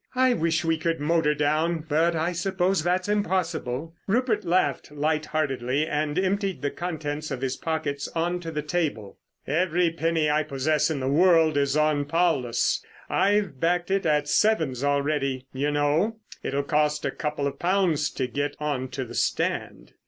"I wish we could motor down, but I suppose that's impossible." Rupert laughed light heartedly and emptied the contents of his pockets on to the table. "Every penny I possess in the world is on Paulus. I've backed it at 'sevens' already, you know. It'll cost a couple of pounds to get on to the stand.